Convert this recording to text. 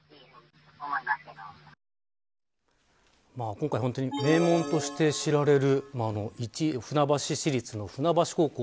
今回、本当に名門として知られる船橋市立船橋高校。